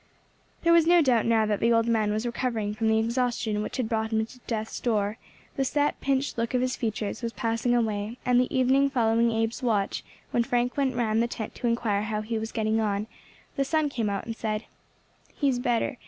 There was no doubt now that the old man was recovering from the exhaustion which had brought him to death's door; the set, pinched look of his features was passing away, and the evening following Abe's watch, when Frank went round to the tent to inquire how he was getting on, the son came out and said "He is better.